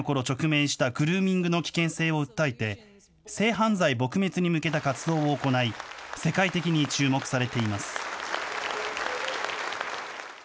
直面したグルーミングの危険性を訴えて、性犯罪撲滅に向けた活動を行い、世界的に注目されています。